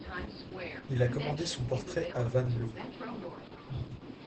Il a commandé son portrait à Van Loo.